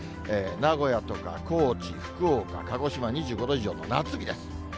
名古屋とか高知、福岡、鹿児島２５度以上の夏日です。